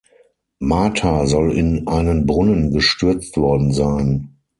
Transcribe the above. Martha soll in einen Brunnen gestürzt worden sein.